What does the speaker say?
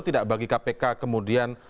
tidak bagi kpk kemudian